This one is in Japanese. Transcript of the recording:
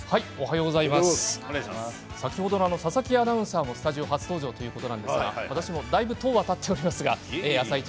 先ほどの佐々木アナウンサーもスタジオ初登場ということですが、私もだいぶ、とうはたっていますが「あさイチ」